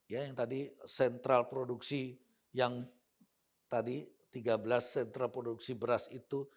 ya yang tadi sentral produksi yang tadi tiga belas sentra produksi beras itu